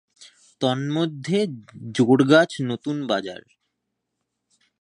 তন্মধ্যে-জোড়গাছ নতুন বাজার।